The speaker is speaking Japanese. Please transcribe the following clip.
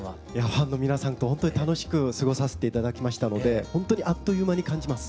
ファンの皆さんと本当に楽しく過ごさせて頂きましたので本当にあっという間に感じます。